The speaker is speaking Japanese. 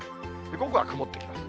午後は曇ってきます。